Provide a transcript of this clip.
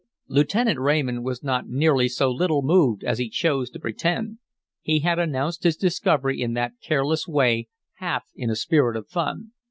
Lieutenant Raymond was not nearly so little moved as he chose to pretend; he had announced his discovery in that careless way half in a spirit of fun.